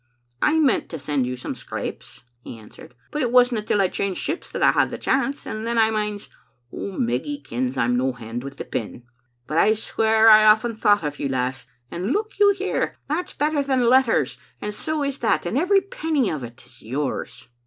"'I meant to send you some scrapes,* he answered, ' but it wasna till I changed ships that I had the chance, and then I minds, " Meggy kens I'm no hand with the pen." But I swear I often thought of you, lass; and look you here, that's better than letters, and so is that, and every penny of it is yours.